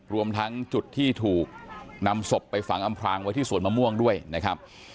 รวมทั้งจุดที่ถูกนำศพไปฝังอำพลางไว้ที่สวนมะม่วงด้วยนะครับ